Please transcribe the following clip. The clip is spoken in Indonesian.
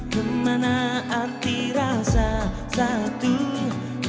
kemana hati rasa satu itu